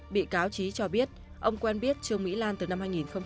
bị cáo trí cho biết ông quen biết trương mỹ lan từ năm hai nghìn một mươi